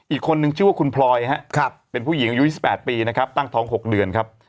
อีกคนหนึ่งชื่อว่าคุณพลอยเป็นผู้หญิงอายุ๒๘ปีตั้งท้อง๖เดือน